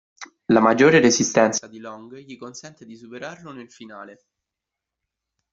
La maggiore resistenza di Long gli consente di superarlo nel finale.